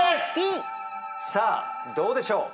さあどうでしょう？